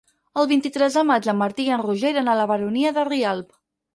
El vint-i-tres de maig en Martí i en Roger iran a la Baronia de Rialb.